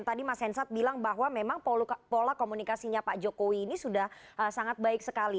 tadi mas hensat bilang bahwa memang pola komunikasinya pak jokowi ini sudah sangat baik sekali